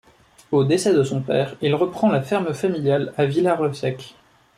Au décès de son père, il reprend la ferme familiale à Villars-le-Sec.